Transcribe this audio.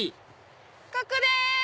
ここです！